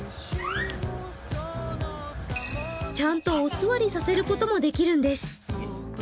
ちゃんとおすわりさせることもできるんです。